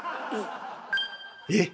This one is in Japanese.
えっ！